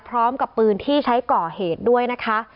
พร้อมกับปืนที่ใช้ก่อเหตุด้วยนะคะ